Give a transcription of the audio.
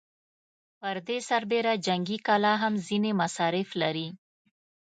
پر دې سربېره جنګي کلا هم ځينې مصارف لري.